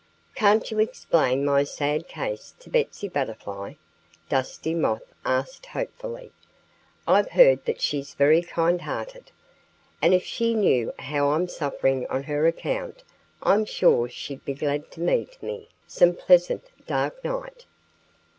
"Can't you explain my sad case to Betsy Butterfly?" Dusty Moth asked hopefully. "I've heard that she's very kind hearted. And if she knew how I'm suffering on her account I'm sure she'd be glad to meet me some pleasant, dark night."